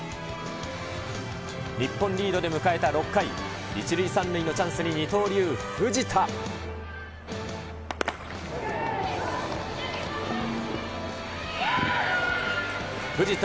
日本リードで迎えた６回、１塁３塁のチャンスに、二刀流、藤田。